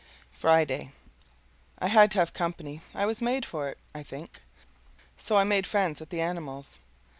FRIDAY I HAD to have company I was made for it, I think so I made friends with the animals.